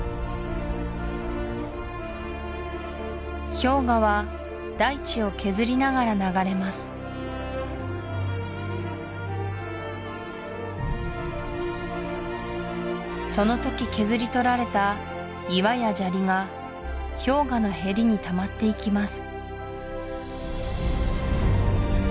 氷河は大地を削りながら流れますそのとき削り取られた岩や砂利が氷河のへりにたまっていきます